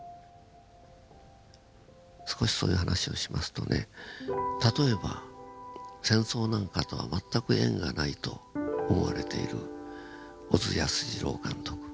少しそういう話をしますとね例えば戦争なんかとは全く縁がないと思われている小津安二郎監督。